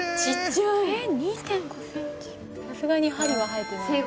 「さすがに針は生えてない」